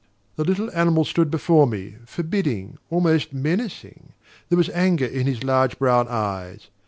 The little animal stood before me, forbidding, almost menacing: there was anger in his large brown eyes.